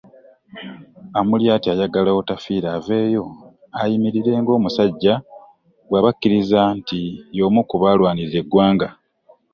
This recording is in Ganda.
Amuriat ayagala Otafiire aveeyo ayimirire ng'omusajja bw'aba akkiriza nti y'omu ku baalwanirira eggwanga.